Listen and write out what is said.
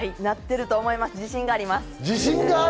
自信があります。